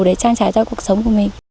để trang trải cho cuộc sống của mình